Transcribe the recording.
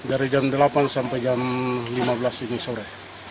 dari jam delapan sampai jam lima belas ini sore